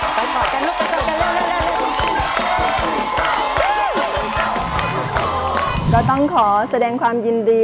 ก็ต้องขอแสดงความยินดี